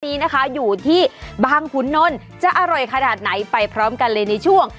นี้นะคะอยู่ที่บางขุนนลจะอร่อยขนาดไหนไปพร้อมกันเลยในช่วง